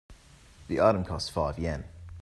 The item costs five Yen.